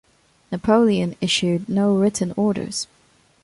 Napoleon issued no written orders.